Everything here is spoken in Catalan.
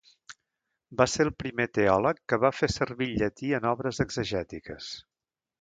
Va ser el primer teòleg que va fer servir el llatí en obres exegètiques.